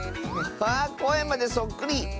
こえまでそっくり！